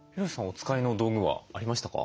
お使いの道具はありましたか？